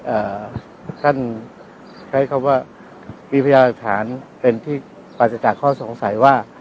เอ่อท่านใช้คำว่ามีพยาหลักฐานเป็นที่ปราศจากข้อสงสัยว่า